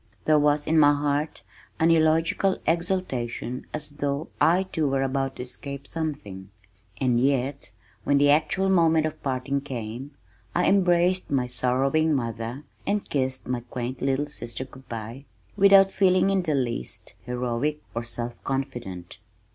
There was in my heart an illogical exaltation as though I too were about to escape something and yet when the actual moment of parting came, I embraced my sorrowing mother, and kissed my quaint little sister good bye without feeling in the least heroic or self confident.